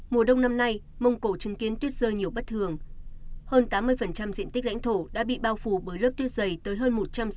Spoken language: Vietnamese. mùa đông năm nay mông cổ chứng kiến tuyết rơi nhiều bất thường hơn tám mươi diện tích lãnh thổ đã bị bao phủ bởi lớp tuyết dày tới hơn một trăm sáu mươi